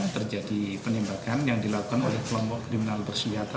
terjadi penembakan yang dilakukan oleh kelompok kriminal bersenjata